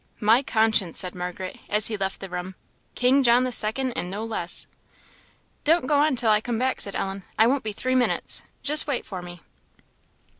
"My conscience!" said Margaret, as he left the room "King John the second, and no less." "Don't go on till I come back," said Ellen; "I won't be three minutes; just wait for me."